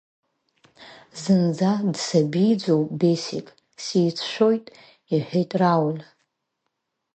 Зынӡа дсабиӡоуп Бесик, сицәшәоит, – иҳәеит Рауль.